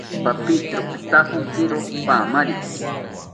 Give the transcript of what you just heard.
Papitero pitajonkiro paamari